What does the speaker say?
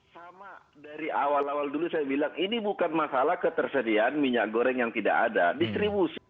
sama dari awal awal dulu saya bilang ini bukan masalah ketersediaan minyak goreng yang tidak ada distribusi